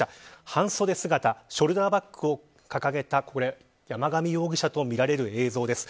半そで姿ショルダーバッグを掲げた山上容疑者とみられる映像です。